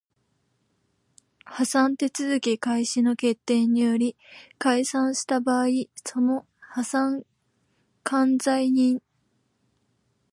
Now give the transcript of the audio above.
破産手続開始の決定により解散した場合その破産管財人